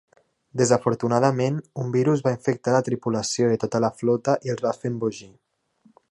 Desafortunadament, un virus va infectar la tripulació de tota la flota i els va fer embogir.